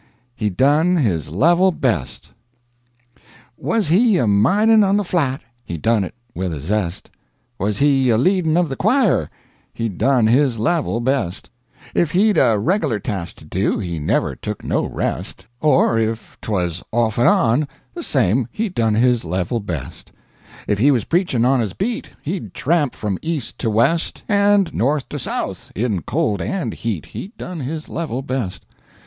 HE DONE HIS LEVEL BEST Was he a mining on the flat He done it with a zest; Was he a leading of the choir He done his level best. If he'd a reg'lar task to do, He never took no rest; Or if 'twas off and on the same He done his level best. If he was preachin' on his beat, He'd tramp from east to west, And north to south in cold and heat He done his level best.